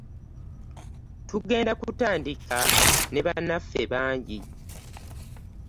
Tugenda kutandika ne bannaffe bangi.